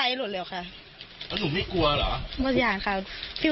น้องพ่อหยาดไว้